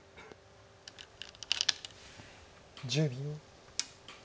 １０秒。